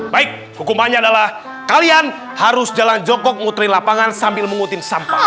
baik hukumannya adalah kalian harus jalan jogok ngutri lapangan sambil mengutin sampah